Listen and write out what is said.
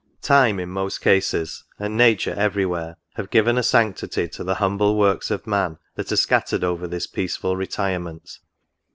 Time, in most cases, and nature every where, have given a sanctity to the humble works of man, that are scattered over this peaceful retirement.